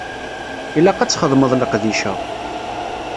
Ilaq ad txedmeḍ leqdic-a.